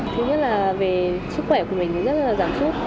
thứ nhất là về sức khỏe của mình thì rất là giảm sút